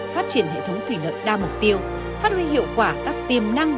phát triển hệ thống thủy lợi đa mục tiêu phát huy hiệu quả các tiềm năng